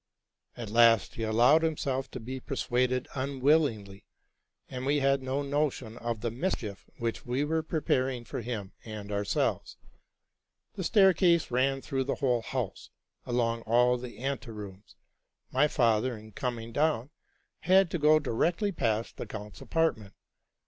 At last he allowed himself to he persuaded unwillingly, and we had no notion of the mischief which we were preparing for him and ourselves. The stair case ran through the whole house, along all the ante rooms. My father, in coming down, had to go directly past the count's apartment.